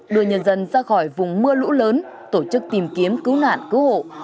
đưa nhân dân ra khỏi vùng mưa lũ lớn tổ chức tìm kiếm cứu nạn cứu hộ